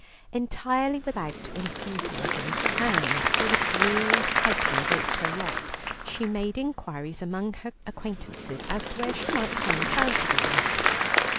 Entirely without enthusiasm, and with a dreary fighting against her lot, she made inquiries among her acquaintances as to where she might find charitable work.